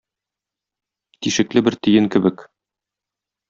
Тишекле бер тиен кебек.